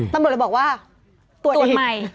ตำรวจเลยบอกว่าตรวจใหม่